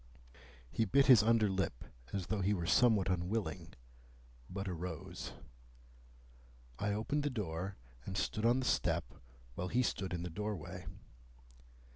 He bit his under lip as though he were somewhat unwilling, but arose. I opened the door, and stood on the step, while he stood in the doorway.